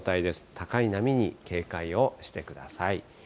高い波に警戒をしてください。